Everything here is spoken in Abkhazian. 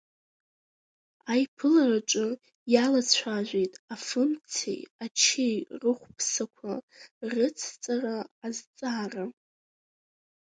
Аиԥылараҿы иалацәажәеит афымцеи ачеи рыхәԥсақәа рыцҵара азҵаара.